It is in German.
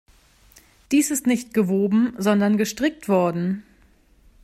Dies ist nicht gewoben, sondern gestrickt worden.